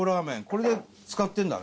これで使ってんだね。